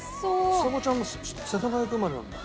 ちさ子ちゃんも世田谷区生まれなんだ。